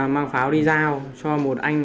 mang pháo đi giao cho một anh